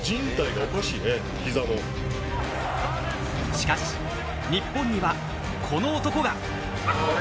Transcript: しかし、日本には、この男が。